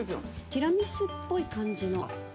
ティラミスっぽい感じの。